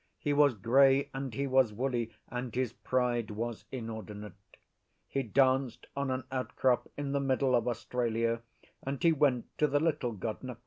He was grey and he was woolly, and his pride was inordinate: he danced on an outcrop in the middle of Australia, and he went to the Little God Nqa.